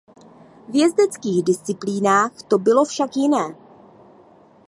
V jezdeckých disciplínách to bylo však jiné.